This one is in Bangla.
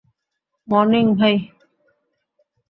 মর্নিং, ভাই!